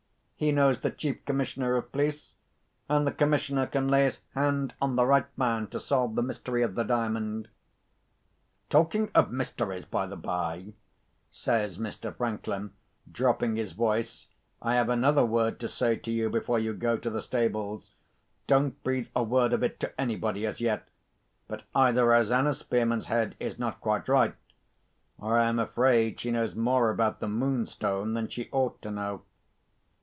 He knows the Chief Commissioner of Police, and the Commissioner can lay his hand on the right man to solve the mystery of the Diamond. Talking of mysteries, by the bye," says Mr. Franklin, dropping his voice, "I have another word to say to you before you go to the stables. Don't breathe a word of it to anybody as yet; but either Rosanna Spearman's head is not quite right, or I am afraid she knows more about the Moonstone than she ought to know."